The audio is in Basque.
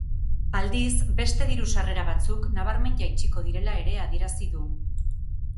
Aldiz, beste diru sarrera batzuk nabarmen jaitsiko direla ere adierazi du.